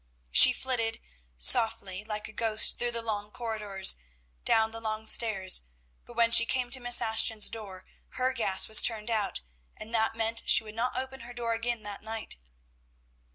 She flitted softly, like a ghost, through the long corridors, down the long stairs; but when she came to Miss Ashton's door her gas was turned out, and that meant she would not open her door again that night.